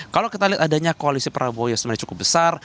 kalau kita lihat adanya koalisi prabowo yang sebenarnya cukup besar